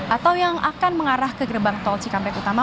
atau yang akan mengarah ke gerbang tol cikampek utama